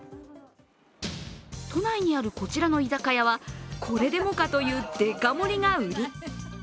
都内にあるこちらの居酒屋は、これでもかというデカ盛りが売り。